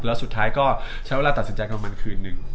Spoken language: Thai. แล้วสุดท้ายก็ใช้เวลาตัดสินใจของมันคืนหนึ่ง